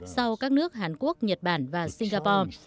sau các nước hàn quốc nhật bản và singapore